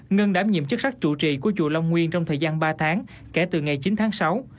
ngân đám nhiệm chức sắc trụ trì của chùa long nguyên trong thời gian ba tháng kể từ ngày chín tháng sáu